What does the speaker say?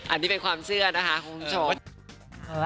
อันนี้เป็นความเชื่อนะคะคุณผู้ชม